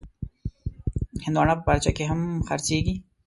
هندوانه په پارچه کې هم خرڅېږي.